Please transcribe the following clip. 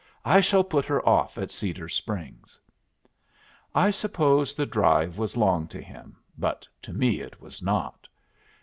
"I shall put her off at Cedar Springs." I suppose the drive was long to him, but to me it was not.